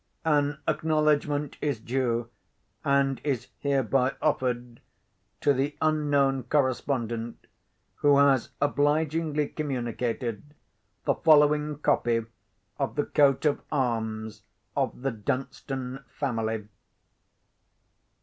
An acknowledgment is due, and is hereby offered, to the unknown correspondent, who has obligingly communicated the following copy of the coat of arms of the Dunstan family.